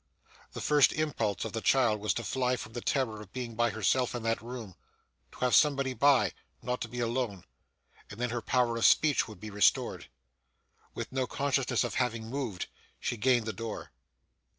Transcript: The first impulse of the child was to fly from the terror of being by herself in that room to have somebody by not to be alone and then her power of speech would be restored. With no consciousness of having moved, she gained the door.